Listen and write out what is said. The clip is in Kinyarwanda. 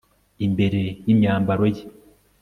imbere y'imyambaro ye